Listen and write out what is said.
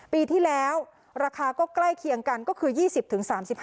ปีที่แล้วราคาก็ใกล้เคียงกันก็คือ๒๐๓๕